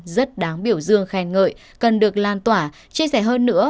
rất đáng biểu dương khen ngợi cần được lan tỏa chia sẻ hơn nữa